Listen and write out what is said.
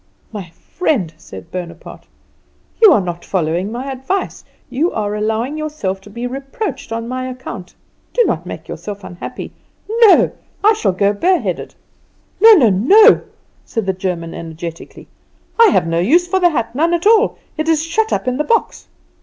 "My friend," said Bonaparte, "you are not following my advice; you are allowing yourself to be reproached on my account. Do not make yourself unhappy. No; I shall go bare headed." "No, no, no!" cried the German energetically. "I have no use for the hat, none at all. It is shut up in the box."